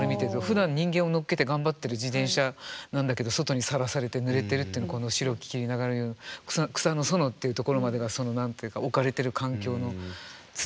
ふだん人間を乗っけて頑張ってる自転車なんだけど外にさらされてぬれてるっていうのはこの「白き霧ながるる夜の草の園」っていうところまでが何て言うか置かれてる環境の包み込むような情景。